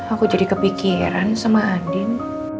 aku jadi kepikiran sama andin